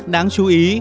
đáng chú ý